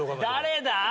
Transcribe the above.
誰だ？